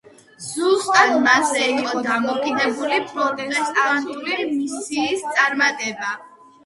ზუსტად მასზე იყო დამოკიდებული პროტესტანტული მისიის წარმატება.